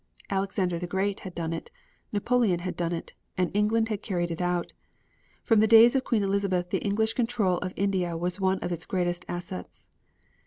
Alexander the Great had done it. Napoleon had done it, and England had carried it out. From the days of Queen Elizabeth the English control of India was one of its greatest assets.